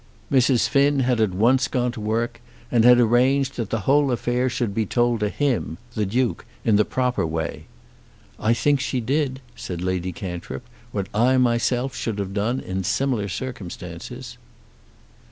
Mrs. Finn had at once gone to work, and had arranged that the whole affair should be told to him, the Duke, in the proper way. "I think she did," said Lady Cantrip, "what I myself should have done in similar circumstances."